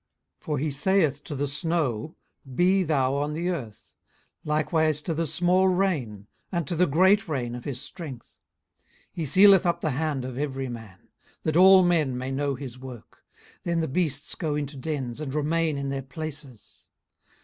18:037:006 For he saith to the snow, Be thou on the earth; likewise to the small rain, and to the great rain of his strength. 18:037:007 He sealeth up the hand of every man; that all men may know his work. 18:037:008 Then the beasts go into dens, and remain in their places.